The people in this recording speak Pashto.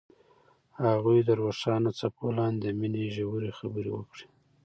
هغوی د روښانه څپو لاندې د مینې ژورې خبرې وکړې.